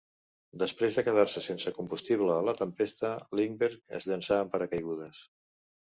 Després de quedar-se sense combustible a la tempesta, Lindbergh es llança amb paracaigudes.